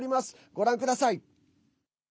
ご覧ください。